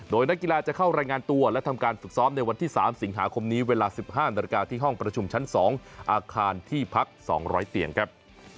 โดยนักกีฬาจะเข้ารายงานตัวและทำการฝึกซ้อมในวันที่๓สิงหาคมนี้เวลา๑๕นาฬิกาที่ห้องประชุมชั้น๒อาคารที่พัก๒๐๐เตียงครับ